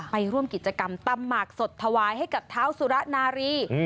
ไปร่วมกิจกรรมตำหมากสดถวายให้กับเท้าสุระนารี